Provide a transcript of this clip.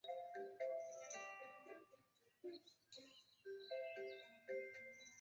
他也被评为最有价值球员。